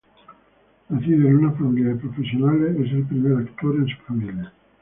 Nacido en una familia de profesionales, es el primer actor en su familia.